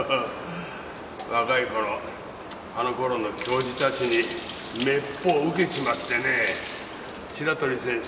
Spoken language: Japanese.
若いころあのころの教授たちにめっぽうウケちまってね白鳥先生